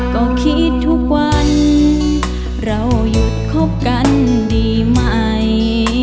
ก็คิดทุกวันเราหยุดคบกันดีไหม